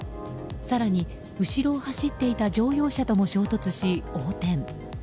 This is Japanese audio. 更に、後ろを走っていた乗用車とも衝突し横転。